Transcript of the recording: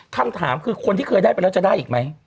คำถามคือคนที่เคยได้ไปแล้วจะได้อีกไหม